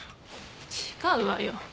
違うわよ。